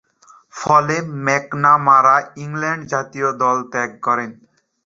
ফলে, McNamara England জাতীয় দল ত্যাগ করেন।